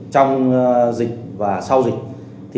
trong dịch và sau dịch